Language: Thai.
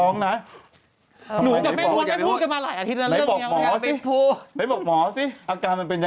เงียบ